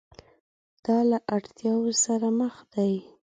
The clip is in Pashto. دا له اړتیاوو سره مخ دي.